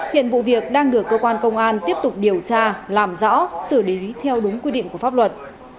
hiện vụ việc đang được cơ quan công an tiếp tục điều tra làm rõ xử lý theo đúng quy định của pháp luật